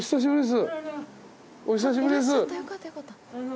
お久しぶりです。